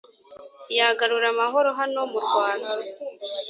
yagarura amahoro hano mu rwanda.